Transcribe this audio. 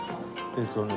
えっとね。